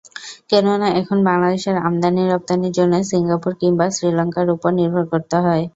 কেননা এখন বাংলাদেশের আমদানি-রপ্তানির জন্য সিঙ্গাপুর কিংবা শ্রীলঙ্কার ওপর নির্ভর করতে হয়।